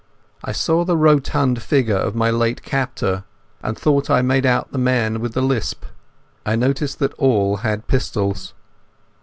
I saw the rotund figure of my late captor, and I thought I made out the man with the lisp. I noticed that all had pistols.